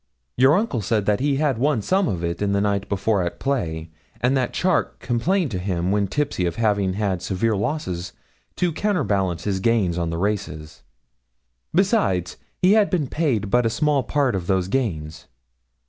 Your uncle said that he had won some of it the night before at play, and that Charke complained to him when tipsy of having had severe losses to counterbalance his gains on the races. Besides, he had been paid but a small part of those gains.